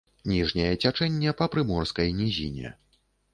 Ніжняе цячэнне па прыморскай нізіне.